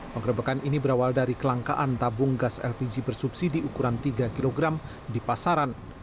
penggerebekan ini berawal dari kelangkaan tabung gas lpg bersubsidi ukuran tiga kg di pasaran